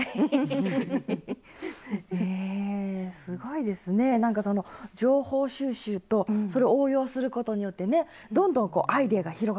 へえすごいですねなんかその情報収集とそれを応用することによってねどんどんこうアイデアが広がっていくんですね。